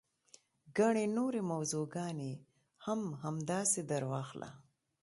ګڼې نورې موضوع ګانې هم همداسې درواخله.